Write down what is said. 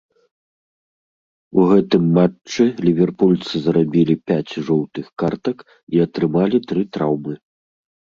У гэтым матчы ліверпульцы зарабілі пяць жоўтых картак і атрымалі тры траўмы.